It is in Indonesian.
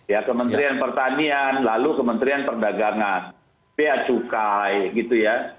ya kementerian pertanian lalu kementerian perdagangan bea cukai gitu ya